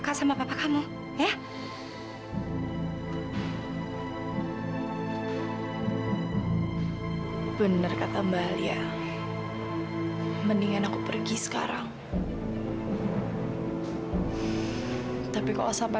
kalau sampai terlambat mendapatkan donor dana